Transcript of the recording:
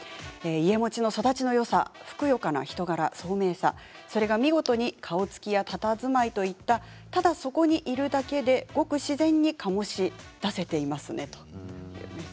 家茂の育ちのよさ、ふくよかな人柄、そうめいさ、それが見事に顔つきやたたずまいといったただ、そこにいるだけで自然に醸し出せていますねと。